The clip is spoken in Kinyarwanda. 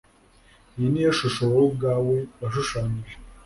Iyi niyo shusho wowe ubwawe washushanyije?